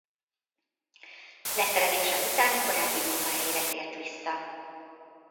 Leszerelése után korábbi munkahelyére tért vissza.